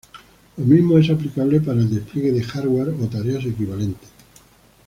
Lo mismo es aplicable para el despliegue de "hardware" o tareas equivalentes.